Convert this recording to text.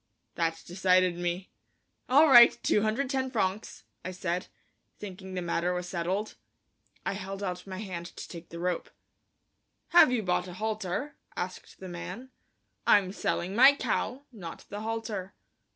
That decided me. "All right, 210 francs," I said, thinking the matter was settled. I held out my hand to take the rope. "Have you brought a halter?" asked the man. "I'm selling my cow, not the halter."